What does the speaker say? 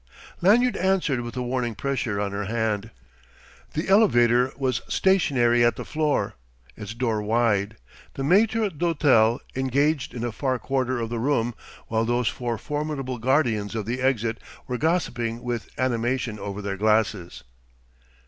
Lanyard answered with a warning pressure on her hand. The elevator was stationary at the floor, its door wide, the maître d'hôtel engaged in a far quarter of the room, while those four formidable guardians of the exit were gossiping with animation over their glasses.